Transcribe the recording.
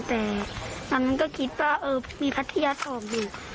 แต่ตอนนั้นก็คิดว่ามีพัทยาสอบอยู่